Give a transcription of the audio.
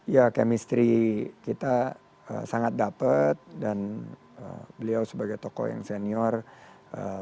ya chemistry kita sangat dapat dan beliau sebagai tokoh yang senior